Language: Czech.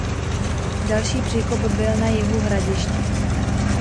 Další příkop byl na jihu hradiště.